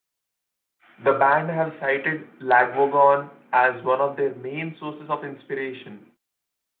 The band have cited Lagwagon as one of their main sources of inspiration.